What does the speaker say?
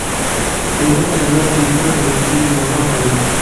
ئۇيغۇر ئەدەبىياتى يىپەك يولىدىكى بىباھا بايلىق.